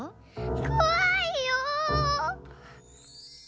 こわいよ！